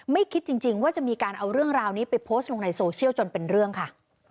คิดจริงว่าจะมีการเอาเรื่องราวนี้ไปโพสต์ลงในโซเชียลจนเป็นเรื่องค่ะ